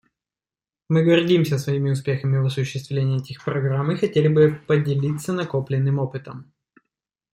Мы гордимся своими успехами в осуществлении этих программ и хотели бы поделиться накопленным опытом.